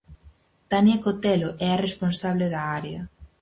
Tania Cotelo é a responsable da área.